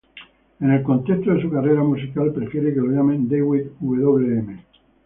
En el contexto de su carrera musical, prefiere que lo llamen "David Wm.